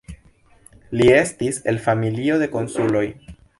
Li estis el familio de konsuloj.